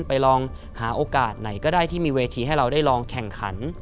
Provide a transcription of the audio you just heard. ไปลองหาโอกาสไหนก็ได้ที่มีเวทีให้เราได้ลองแข่งขัน